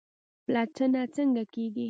پلټنه څنګه کیږي؟